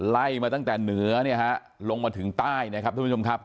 ไล่มาตั้งแต่เหนือเนี่ยฮะลงมาถึงใต้นะครับทุกผู้ชมครับ